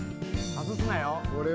外すなよ。